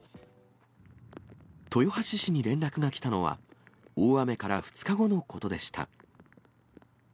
豊橋市に連絡が来たのは、大雨から２日後のことでした。